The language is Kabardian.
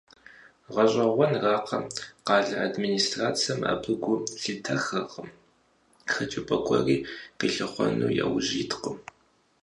ГъэщӀэгъуэнракъэ, къалэ администрацэм абы гу лъитэххэркъым, хэкӀыпӀэ гуэри къилъыхъуэну яужь иткъым.